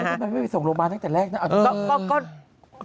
ทำไมไม่ไปส่งโรงพยาบาลตั้งแต่แรกนะ